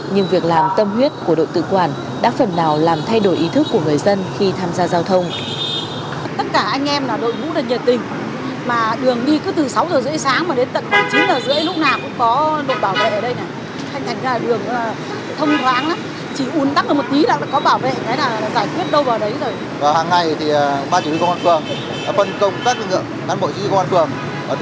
nhưng việc làm tâm huyết của đội tự quản đáng phần nào làm thay đổi ý thức của người dân khi tham gia giao thông